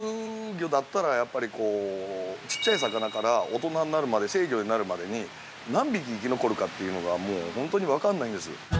◆養殖魚だったら、やっぱりこうちっちゃい魚から大人になるまで成魚になるまでに何匹生き残るかというのがもう本当に分かんないんです。